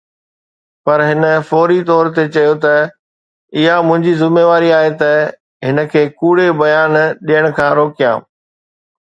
پر هن فوري طور تي چيو ته اها منهنجي ذميواري آهي ته هن کي ڪوڙي بيان ڏيڻ کان روڪيان.